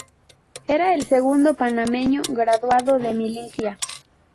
Era el segundo panameño graduado de milicia.